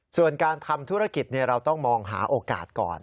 ส่วนการทำธุรกิจเราต้องมองหาโอกาสก่อน